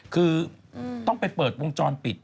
คือต้องไปเปิดวงจรปิด